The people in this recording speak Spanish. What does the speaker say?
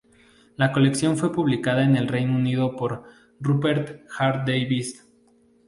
La colección fue publicada en el Reino Unido por Rupert Hart-Davis Ltd.